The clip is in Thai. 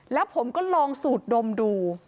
แล้วผมก็ลองสูดดมดู